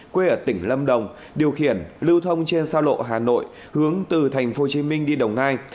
quê ở tỉnh lâm đồng điều khiển lưu thông trên xa lộ hà nội hướng từ thành phố hồ chí minh đi đồng nai